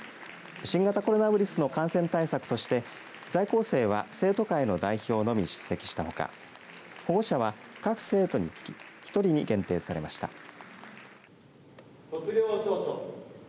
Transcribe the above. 新型コロナウイルスの感染対策として在校生は生徒会の代表のみ出席したほか保護者は各生徒につき１人に限定されました。